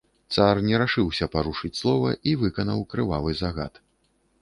Цар не рашыўся парушыць слова і выканаў крывавы загад.